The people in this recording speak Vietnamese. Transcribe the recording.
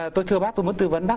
tôi thưa bác tôi muốn tư vấn bác